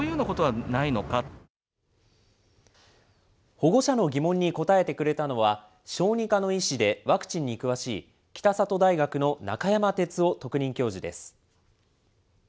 保護者の疑問に答えてくれたのは、小児科の医師でワクチンに詳しい、北里大学の中山哲夫特任教授です。